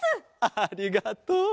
ありがとう。